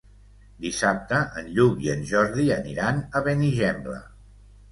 Dissabte en Lluc i en Jordi aniran a Benigembla.